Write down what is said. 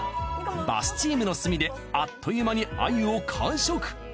バスチームの炭であっという間にアユを完食。